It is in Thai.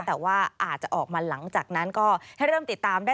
แต่ว่าอาจจะออกมาหลังจากนั้นก็ให้เริ่มติดตามได้